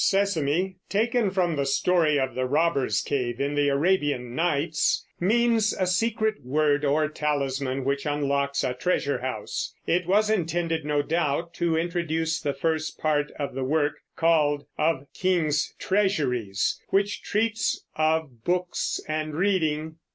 "Sesame," taken from the story of the robbers' cave in the Arabian Nights, means a secret word or talisman which unlocks a treasure house. It was intended, no doubt, to introduce the first part of the work, called "Of Kings' Treasuries," which treats of books and reading.